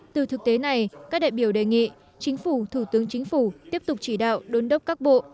từ thực tế này các đại biểu đề nghị chính phủ thủ tướng chính phủ tiếp tục chỉ đạo đôn đốc các bộ